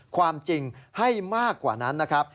ความจริงให้มากกว่านั้นนะครับ